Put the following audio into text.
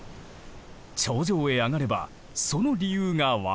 頂上へ上がればその理由が分かるという。